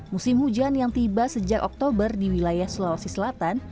musim hujan yang tiba sejak oktober di wilayah sulawesi selatan